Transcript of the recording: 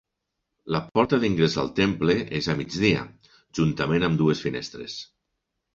La porta d'ingrés al temple és a migdia, juntament amb dues finestres.